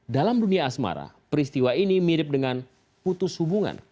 dalam dunia asmara peristiwa ini mirip dengan putus hubungan